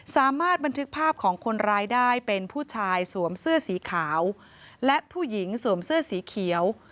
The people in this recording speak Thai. สามารถบันทึกภาพของคนร้ายได้เป็นผู้ชายสวมเสื้อสีขาวและผู้หญิงสวมเสื้อสีเขียว